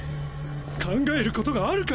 考える事があるか！？